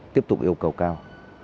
tiếp tục yêu cầu cao